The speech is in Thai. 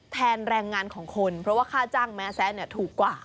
แทนแรงงานของคนเพราะว่าค่าจ้างแม้แซะถูกกว่า